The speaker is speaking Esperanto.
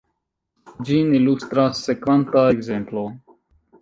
Ĝin ilustras sekvanta ekzemplo.